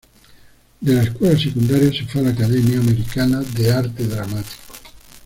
De la escuela secundaria se fue a la Academia Americana de Arte Dramático.